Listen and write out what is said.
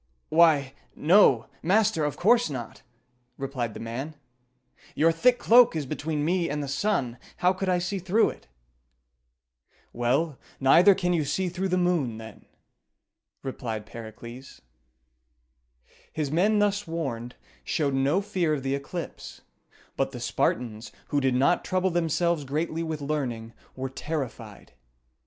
"Why, no! master, of course not!" replied the man. "Your thick cloak is between me and the sun; how could I see through it?" "Well, neither can you see through the moon, then," replied Pericles. His men, thus warned, showed no fear of the eclipse; but the Spartans, who did not trouble themselves greatly with learning, were terrified.